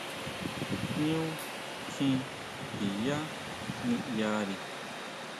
ʼÑu kjín ndiyá niʼyari.